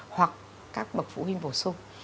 hoặc các bậc phụ huynh bổ sung